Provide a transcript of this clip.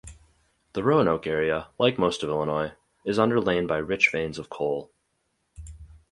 The Roanoke area, like most of Illinois, is underlain by rich veins of coal.